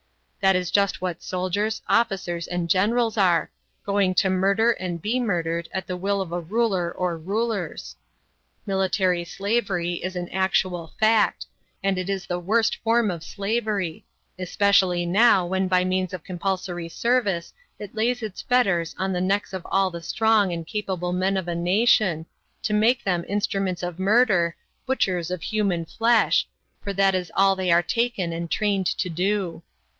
That is just what soldiers, officers, and generals are, going to murder and be murdered at the will of a ruler or rulers. Military slavery is an actual fact, and it is the worst form of slavery, especially now when by means of compulsory service it lays its fetters on the necks of all the strong and capable men of a nation, to make them instruments of murder, butchers of human flesh, for that is all they are taken and trained to do.